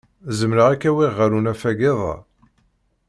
Zemreɣ ad k-awiɣ ɣer unafag iḍ-a.